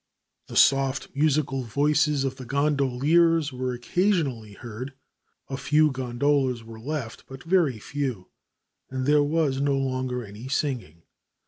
The soft, musical voices of the gondoliers were occasionally heard. A few gondolas were left, but very few, and there was no longer any singing.